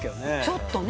ちょっとね。